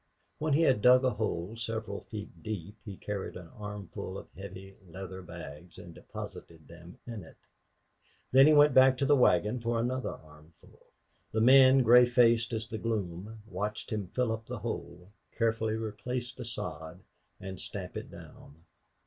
When he had dug a hole several feet deep he carried an armful of heavy leather bags and deposited them in it. Then he went back to the wagon for another armful. The men, gray faced as the gloom, watched him fill up the hole, carefully replace the sod, and stamp it down.